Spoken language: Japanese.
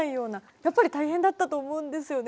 やっぱり大変だったと思うんですよね。